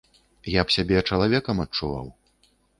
Я б сябе чалавекам адчуваў.